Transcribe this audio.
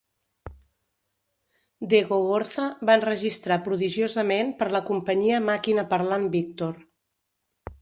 De Gogorza va enregistrar prodigiosament per la Companyia Màquina Parlant Víctor.